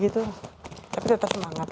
tapi tetap semangat